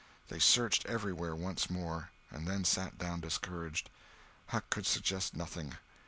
They searched everywhere once more, and then sat down discouraged. Huck could suggest nothing.